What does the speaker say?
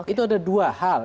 itu ada dua hal